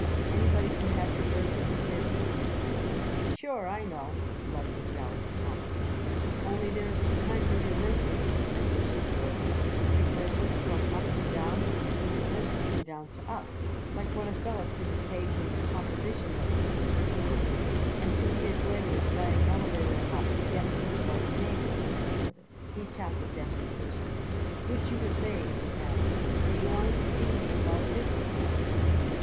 "Anybody could have reverses in business," he said. "Sure, I know," Lesengeld commented. "Only there is two kinds of reverses, Mr. Schindelberger, reverses from up to down and reverses from down to up, like when a feller couldn't pay his composition notes, Mr. Schindelberger, and two years later is buying elevator apartments yet in his wife's name, Mr. Schindelberger." He tapped the desk impatiently. "Which you was saying," he added, "that you wanted to see me about a business matter."